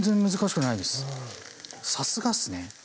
さすがですね。